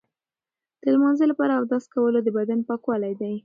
د لمانځه لپاره اودس کول د بدن پاکوالی دی.